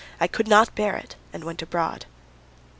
I could not bear it and went abroad.